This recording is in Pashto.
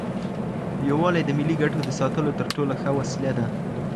يووالی د ملي ګټو د ساتلو تر ټولو ښه وسيله ده.